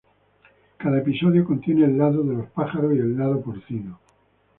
Cada episodio contiene el Lado de los pájaros y el Lado Porcino.